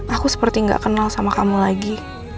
aku seperti gak kenal sama kamu lagi